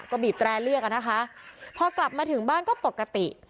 ก็บีบแตรเรียกอ่ะนะคะพอกลับมาถึงบ้านก็ปกติ